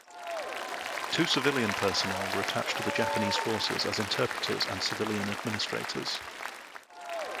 Two civilian personnel were attached to the Japanese forces as interpreters and civilian administrators.